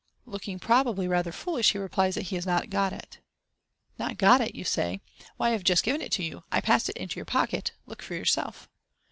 Locking, probably, rather foolish, he replies that he has not got it. " Not got it !" you say j " why I have just given it to you. I passed it into your pocket. Look for yourself."